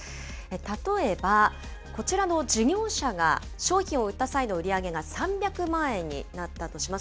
例えば、こちらの事業者が商品を売った際の売り上げが３００万円になったとします。